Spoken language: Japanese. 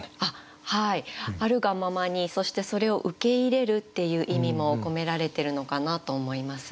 そしてそれを「受け入れる」っていう意味も込められてるのかなと思います。